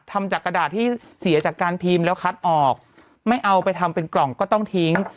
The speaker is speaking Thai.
ทำจากกระดาษที่เสียจากการพิมพ์แล้วคัดออกไม่เอาไปทำเป็นกล่องก็ต้องทิ้ง